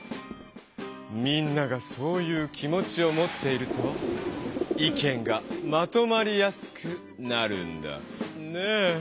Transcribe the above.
みんながそういう気持ちをもっていると意見がまとまりやすくなるんだねぇ。